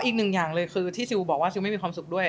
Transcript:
คือที่ซิลบอกว่าซิลไม่มีความสุขด้วย